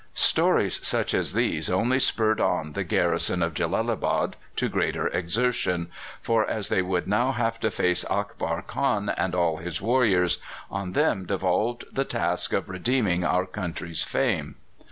Stories such as these only spurred on the garrison of Jellalabad to greater exertion, for, as they would have now to face Akbar Khan and all his warriors, on them devolved the task of redeeming our country's fame.